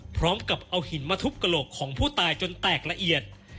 พร้อมกับเอาหินมาทุบกระโหลกของผู้ตายจนแตกละเอียด